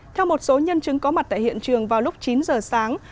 theo một số nhân chứng có mặt tại hiện trường vào lúc chín giờ sáng